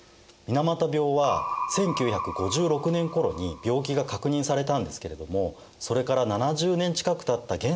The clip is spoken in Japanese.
水俣病は１９５６年ころに病気が確認されたんですけれどもそれから７０年近くたった